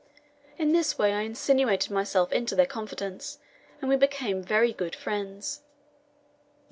In this way I insinuated myself into their confidence, and we became very good friends.